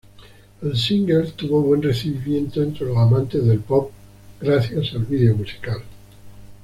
El single tuvo buen recibimiento entre los amantes del pop, gracias al video musical.